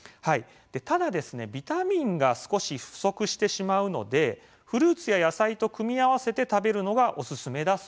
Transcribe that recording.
ただ、ビタミンが少し不足してしまうのでフルーツや野菜と組み合わせて食べるのがおすすめだそうです。